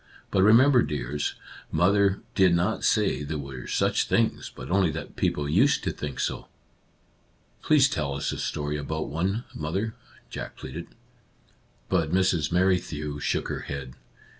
But remember, dears, mother io Our Little Canadian Cousin did not say there were such things, but only that people used to think so." " Please tell us a story about one, mother," Jack pleaded. But Mrs. Merrithew shook her head.